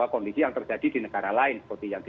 kondisi yang terjadi di negara lain seperti yang di